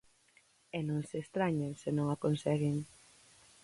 E non se estrañen se non a conseguen.